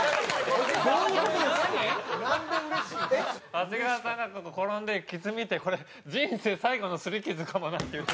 長谷川さんが転んで傷見てこれ人生最後のすり傷かもなって言って。